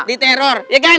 di teror ya kan